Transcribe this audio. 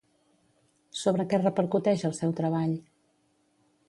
Sobre què repercuteix el seu treball?